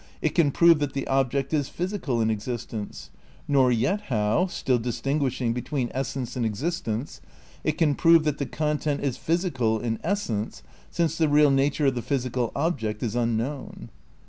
Ill THE CRITICAL PREPARATIONS 133 prove that the object is physical in existence, nor yet how, stUl distinguishing between essence and existence, it can prove that the content is physical in essence, since the real nature of the physical object is unknown.